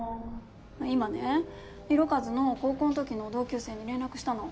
今ね浩一の高校んときの同級生に連絡したの。